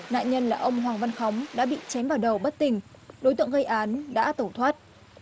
nạn nhân là ông hoàng văn khóng đã bị chém vào đầu bất tình đối tượng gây án đã tẩu thoát